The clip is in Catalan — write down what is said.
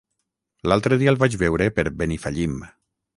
L'altre dia el vaig veure per Benifallim.